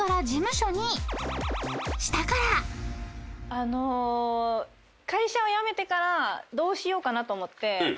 あの会社を辞めてからどうしようかなと思って。